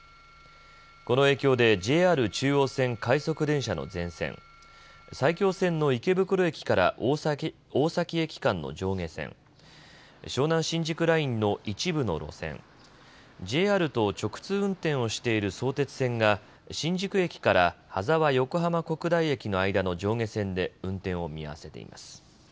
この影響でＪＲ中央線快速電車の全線、埼京線の池袋駅から大崎駅間の上下線、湘南新宿ラインの一部の路線、ＪＲと直通運転をしている相鉄線が新宿駅から羽沢横浜国大駅の間の上下線で運転を見合わせています。